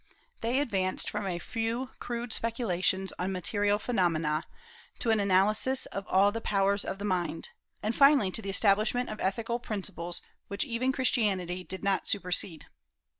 They advanced from a few crude speculations on material phenomena to an analysis of all the powers of the mind, and finally to the establishment of ethical principles which even Christianity did not supersede.